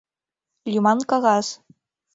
— Лӱман кагаз...